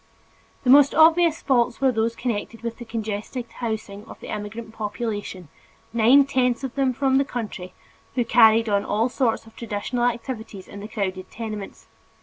The most obvious faults were those connected with the congested housing of the immigrant population, nine tenths of them from the country, who carried on all sorts of traditional activities in the crowded tenements.